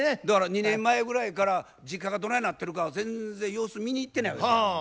だから２年前ぐらいから実家がどないなってるかは全然様子見に行ってないわけ。